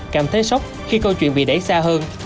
cảm thấy sốc khi câu chuyện bị đẩy xa hơn